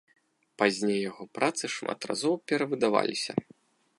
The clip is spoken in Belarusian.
Пазней яго працы шмат разоў перавыдаваліся.